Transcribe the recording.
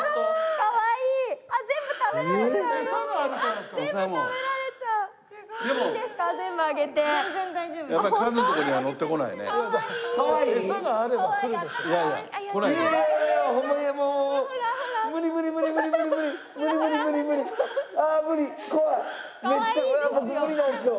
かわいいですよ。